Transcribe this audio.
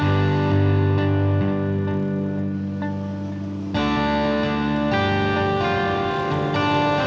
ya tidak apa apa